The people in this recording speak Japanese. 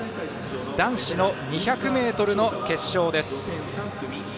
男子２００ｍの決勝です。